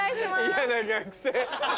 嫌な学生。